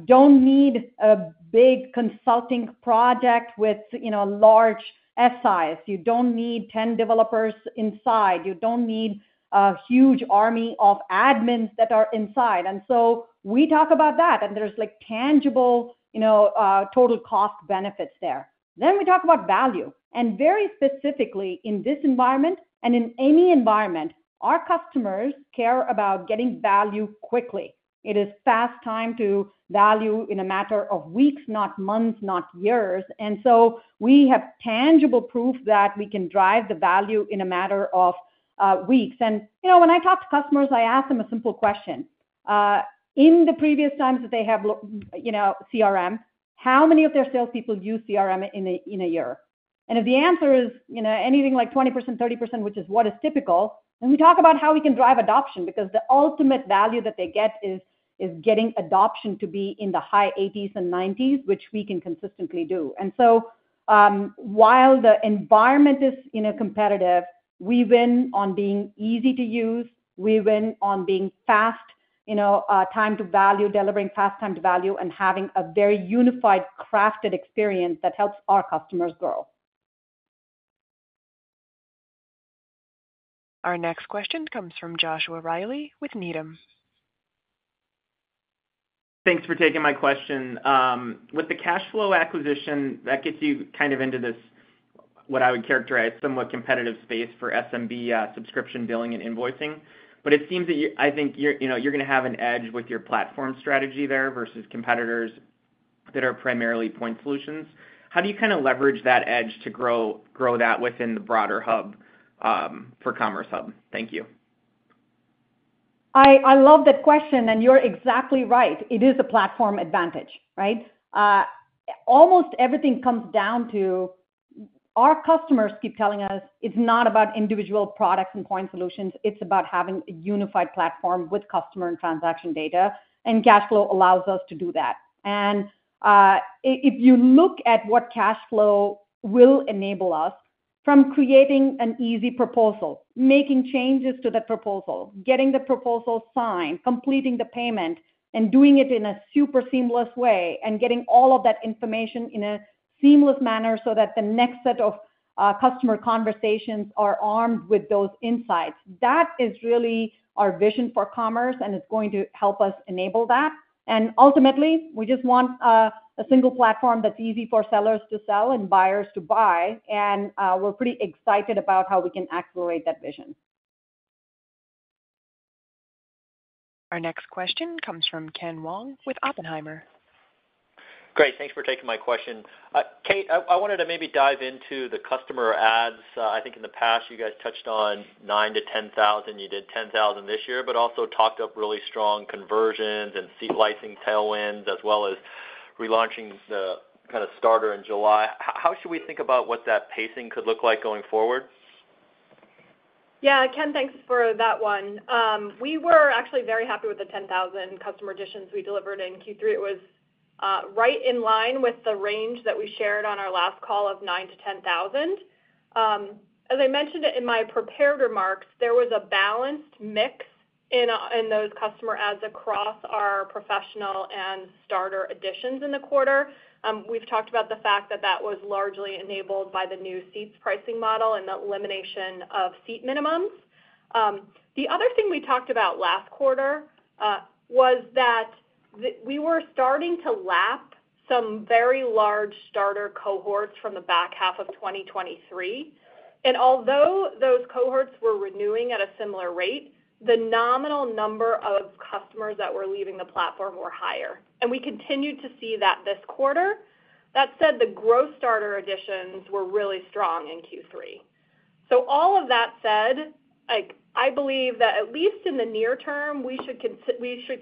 don't need a big consulting project with a large S-size. You don't need 10 developers inside. You don't need a huge army of admins that are inside. And so we talk about that, and there's tangible total cost benefits there. Then we talk about value. And very specifically, in this environment and in any environment, our customers care about getting value quickly. It is fast time to value in a matter of weeks, not months, not years, and so we have tangible proof that we can drive the value in a matter of weeks, and when I talk to customers, I ask them a simple question. In the previous times that they have CRM, how many of their salespeople use CRM in a year? and if the answer is anything like 20%, 30%, which is what is typical, then we talk about how we can drive adoption because the ultimate value that they get is getting adoption to be in the high 80s and 90s, which we can consistently do, and so while the environment is competitive, we win on being easy to use. We win on being fast time to value, delivering fast time to value, and having a very unified, crafted experience that helps our customers grow. Our next question comes from Joshua Reilly with Needham. Thanks for taking my question. With the Cacheflow acquisition, that gets you kind of into this, what I would characterize as somewhat competitive space for SMB subscription billing and invoicing. But it seems that I think you're going to have an edge with your platform strategy there versus competitors that are primarily point solutions. How do you kind of leverage that edge to grow that within the broader HubSpot for Commerce Hub? Thank you. I love that question, and you're exactly right. It is a platform advantage, right? Almost everything comes down to our customers keep telling us it's not about individual products and point solutions. It's about having a unified platform with customer and transaction data, and Cacheflow allows us to do that. And if you look at what Cacheflow will enable us from creating an easy proposal, making changes to that proposal, getting the proposal signed, completing the payment, and doing it in a super seamless way, and getting all of that information in a seamless manner so that the next set of customer conversations are armed with those insights, that is really our vision for commerce, and it's going to help us enable that. Ultimately, we just want a single platform that's easy for sellers to sell and buyers to buy. We're pretty excited about how we can accelerate that vision. Our next question comes from Ken Wong with Oppenheimer. Great. Thanks for taking my question. Kate, I wanted to maybe dive into the customer adds. I think in the past, you guys touched on nine to 10 thousand. You did 10,000 this year, but also talked up really strong conversions and seat licensing tailwinds as well as relaunching the Starter in July. How should we think about what that pacing could look like going forward? Yeah, Ken, thanks for that one. We were actually very happy with the 10,000 customer additions we delivered in Q3. It was right in line with the range that we shared on our last call of 9-10 thousand. As I mentioned in my prepared remarks, there was a balanced mix in those customer adds across our professional and starter additions in the quarter. We've talked about the fact that that was largely enabled by the new seats pricing model and the elimination of seat minimums. The other thing we talked about last quarter was that we were starting to lap some very large starter cohorts from the back half of 2023. And although those cohorts were renewing at a similar rate, the nominal number of customers that were leaving the platform were higher. And we continued to see that this quarter. That said, the growth starter additions were really strong in Q3. So all of that said, I believe that at least in the near term, we should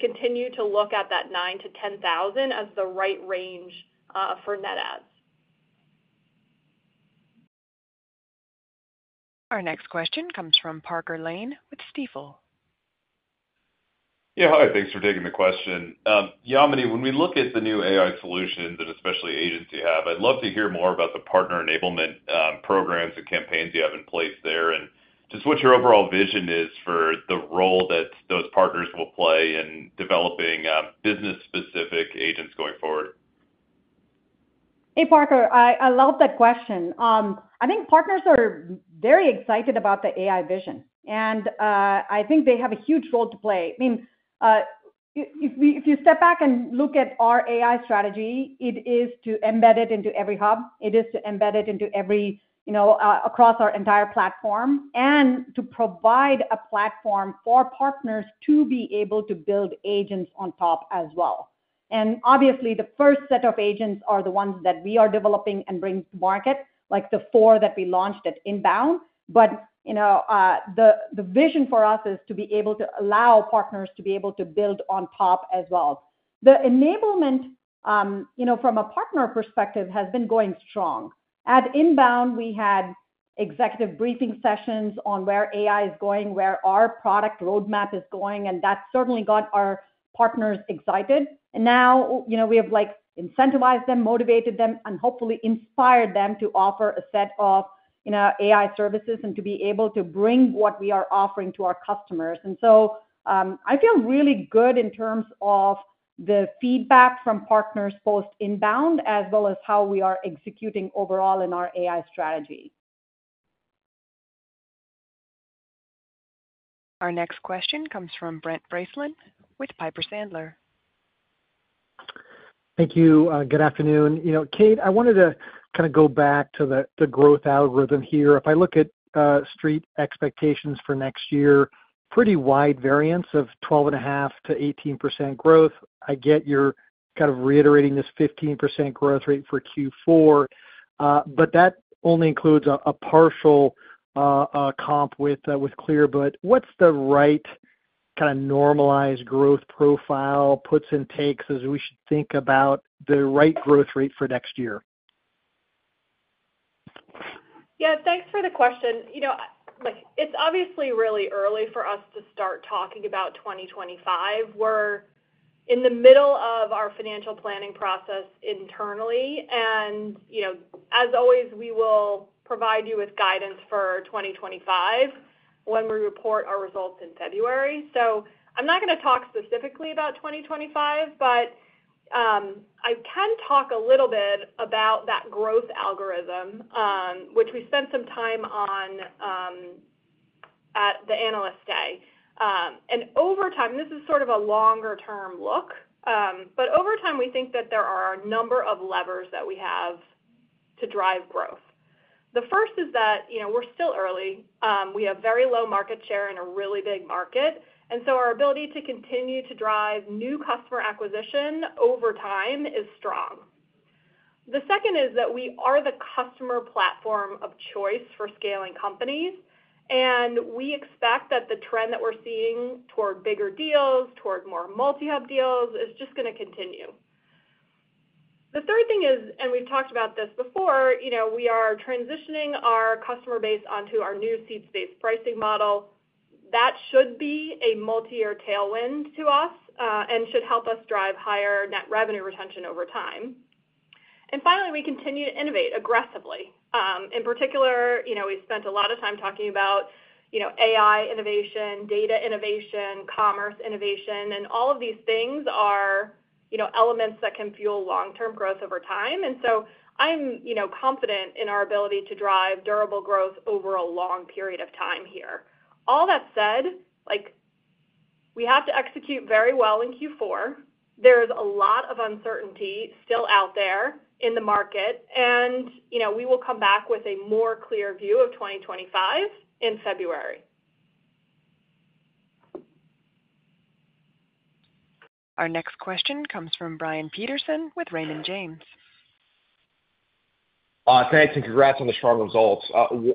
continue to look at that 9-10 thousand as the right range for net adds. Our next question comes from Parker Lane with Stifel. Yeah, hi. Thanks for taking the question. Yamini, when we look at the new AI solutions that especially agents you have, I'd love to hear more about the partner enablement programs and campaigns you have in place there and just what your overall vision is for the role that those partners will play in developing business-specific agents going forward. Hey, Parker. I love that question. I think partners are very excited about the AI vision, and I think they have a huge role to play. I mean, if you step back and look at our AI strategy, it is to embed it into every hub. It is to embed it across our entire platform and to provide a platform for partners to be able to build agents on top as well. And obviously, the first set of agents are the ones that we are developing and bringing to market, like the four that we launched at Inbound. But the vision for us is to be able to allow partners to be able to build on top as well. The enablement from a partner perspective has been going strong. At INBOUND, we had executive briefing sessions on where AI is going, where our product roadmap is going, and that certainly got our partners excited, and now we have incentivized them, motivated them, and hopefully inspired them to offer a set of AI services and to be able to bring what we are offering to our customers, and so I feel really good in terms of the feedback from partners post INBOUND as well as how we are executing overall in our AI strategy. Our next question comes from Brent Bracelin with Piper Sandler. Thank you. Good afternoon. Kate, I wanted to kind of go back to the growth algorithm here. If I look at street expectations for next year, pretty wide variance of 12.5%-18% growth. I get you're kind of reiterating this 15% growth rate for Q4, but that only includes a partial comp with Clearbit. What's the right kind of normalized growth profile, puts and takes as we should think about the right growth rate for next year? Yeah, thanks for the question. It's obviously really early for us to start talking about 2025. We're in the middle of our financial planning process internally. And as always, we will provide you with guidance for 2025 when we report our results in February. So I'm not going to talk specifically about 2025, but I can talk a little bit about that growth algorithm, which we spent some time on at the analyst day. And over time, this is sort of a longer-term look, but over time, we think that there are a number of levers that we have to drive growth. The first is that we're still early. We have very low market share in a really big market. And so our ability to continue to drive new customer acquisition over time is strong. The second is that we are the customer platform of choice for scaling companies, and we expect that the trend that we're seeing toward bigger deals, toward more multi-hub deals, is just going to continue. The third thing is, and we've talked about this before, we are transitioning our customer base onto our new seats-based pricing model. That should be a multi-year tailwind to us and should help us drive higher net revenue retention over time. And finally, we continue to innovate aggressively. In particular, we spent a lot of time talking about AI innovation, data innovation, commerce innovation, and all of these things are elements that can fuel long-term growth over time. And so I'm confident in our ability to drive durable growth over a long period of time here. All that said, we have to execute very well in Q4. There is a lot of uncertainty still out there in the market, and we will come back with a more clear view of 2025 in February. Our next question comes from Brian Peterson with Raymond James. Thanks, and congrats on the strong results.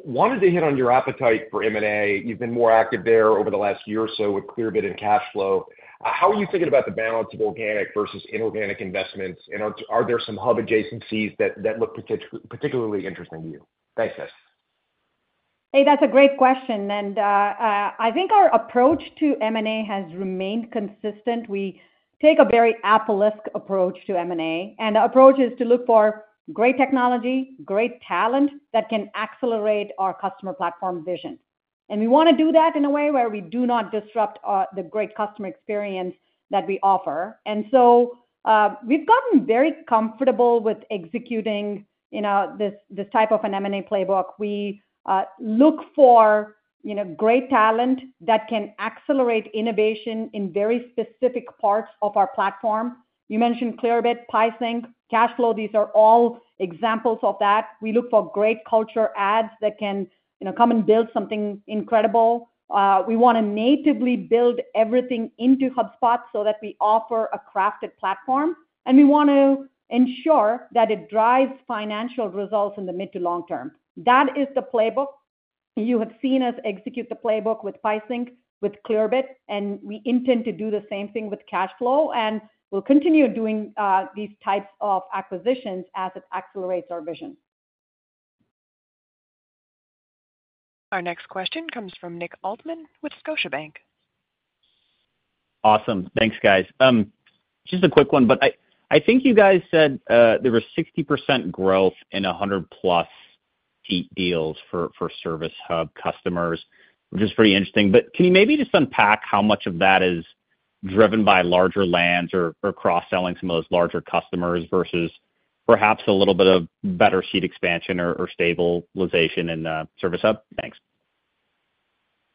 Wanted to hit on your appetite for M&A. You've been more active there over the last year or so with Clearbit and Cacheflow. How are you thinking about the balance of organic versus inorganic investments? And are there some hub adjacencies that look particularly interesting to you? Thanks, guys. Hey, that's a great question. And I think our approach to M&A has remained consistent. We take a very apolitical approach to M&A, and the approach is to look for great technology, great talent that can accelerate our customer platform vision. And we want to do that in a way where we do not disrupt the great customer experience that we offer. And so we've gotten very comfortable with executing this type of an M&A playbook. We look for great talent that can accelerate innovation in very specific parts of our platform. You mentioned Clearbit, PieSync, Cacheflow. These are all examples of that. We look for great culture adds that can come and build something incredible. We want to natively build everything into HubSpot so that we offer a crafted platform, and we want to ensure that it drives financial results in the mid to long term. That is the playbook. You have seen us execute the playbook with PieSync, with Clearbit, and we intend to do the same thing with Cacheflow, and we'll continue doing these types of acquisitions as it accelerates our vision. Our next question comes from Nick Altmann with Scotiabank. Awesome. Thanks, guys. Just a quick one, but I think you guys said there were 60% growth in 100-plus seat deals for Service Hub customers, which is pretty interesting. But can you maybe just unpack how much of that is driven by larger lands or cross-selling some of those larger customers versus perhaps a little bit of better seat expansion or stabilization in Service Hub? Thanks.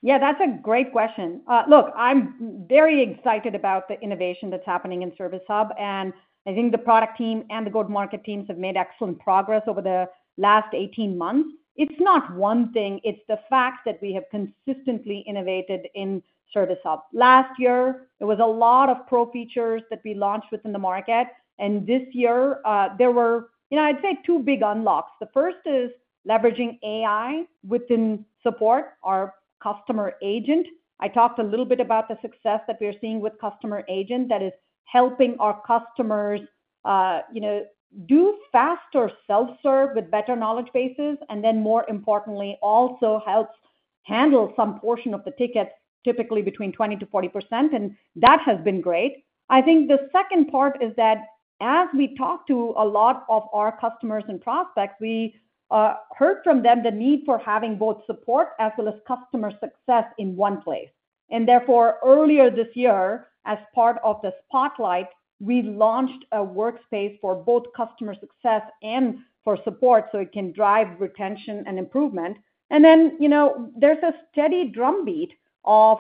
Yeah, that's a great question. Look, I'm very excited about the innovation that's happening in Service Hub, and I think the product team and the go-to-market teams have made excellent progress over the last 18 months. It's not one thing. It's the fact that we have consistently innovated in Service Hub. Last year, there was a lot of pro features that we launched within the market, and this year, there were, I'd say, two big unlocks. The first is leveraging AI within support, our Customer Agent. I talked a little bit about the success that we are seeing with Customer Agent that is helping our customers do faster self-serve with better knowledge bases, and then, more importantly, also helps handle some portion of the ticket, typically between 20%-40%, and that has been great. I think the second part is that as we talk to a lot of our customers and prospects, we heard from them the need for having both support as well as customer success in one place. And therefore, earlier this year, as part of the Spotlight, we launched a workspace for both customer success and for support so it can drive retention and improvement. And then there's a steady drumbeat of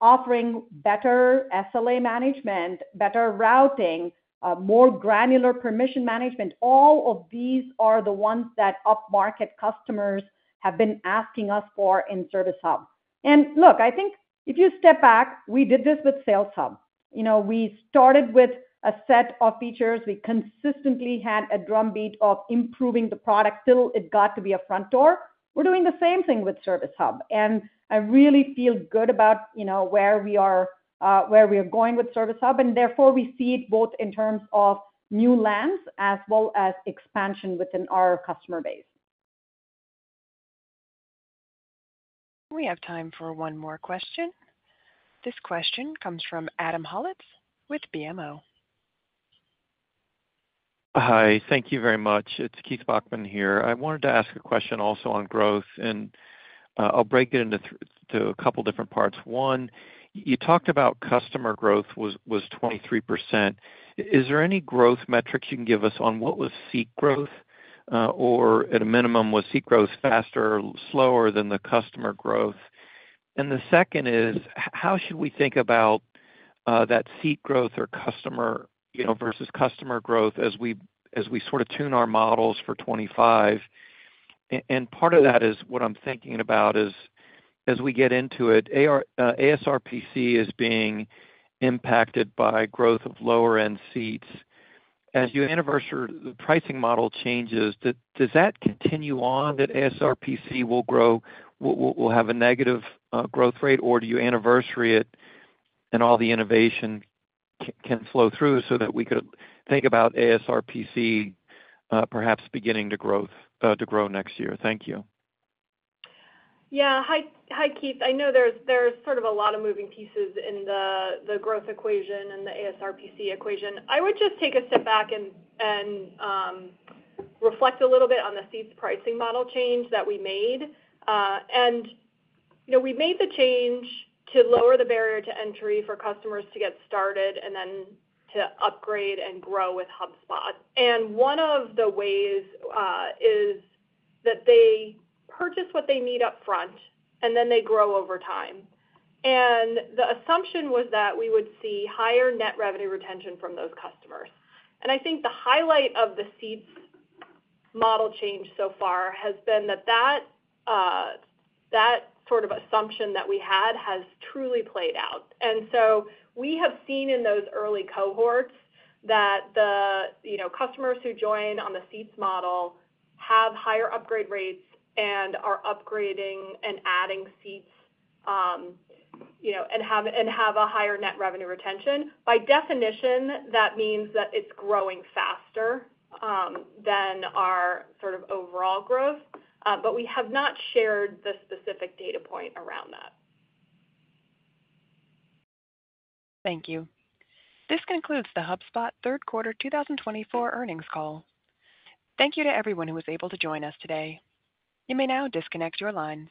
offering better SLA management, better routing, more granular permission management. All of these are the ones that up-market customers have been asking us for in Service Hub. And look, I think if you step back, we did this with Sales Hub. We started with a set of features. We consistently had a drumbeat of improving the product till it got to be a front door. We're doing the same thing with Service Hub, and I really feel good about where we are going with Service Hub, and therefore, we see it both in terms of new lands as well as expansion within our customer base. We have time for one more question. This question comes from Adam Holt with BMO. Hi. Thank you very much. It's Keith Bachman here. I wanted to ask a question also on growth, and I'll break it into a couple of different parts. One, you talked about customer growth was 23%. Is there any growth metrics you can give us on what was seat growth, or at a minimum, was seat growth faster or slower than the customer growth? And the second is, how should we think about that seat growth or customer versus customer growth as we sort of tune our models for 2025? And part of that is what I'm thinking about is, as we get into it, ASRPC is being impacted by growth of lower-end seats. As your anniversary pricing model changes, does that continue on that ASRPC will have a negative growth rate, or do you anniversary it and all the innovation can flow through so that we could think about ASRPC perhaps beginning to grow next year? Thank you. Yeah. Hi, Keith. I know there's sort of a lot of moving pieces in the growth equation and the ASRPC equation. I would just take a step back and reflect a little bit on the seats pricing model change that we made. And we made the change to lower the barrier to entry for customers to get started and then to upgrade and grow with HubSpot. And one of the ways is that they purchase what they need upfront, and then they grow over time. And the assumption was that we would see higher net revenue retention from those customers. And I think the highlight of the seats model change so far has been that that sort of assumption that we had has truly played out. We have seen in those early cohorts that the customers who join on the seats model have higher upgrade rates and are upgrading and adding seats and have a higher Net Revenue Retention. By definition, that means that it's growing faster than our sort of overall growth, but we have not shared the specific data point around that. Thank you. This concludes the HubSpot third quarter 2024 earnings call. Thank you to everyone who was able to join us today. You may now disconnect your lines.